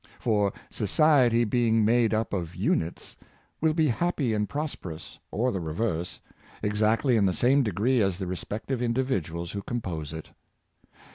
For, society being made up of units, will be happy and pros perous, or the reverse, exactly in the same degree as the respective individuals who compose it.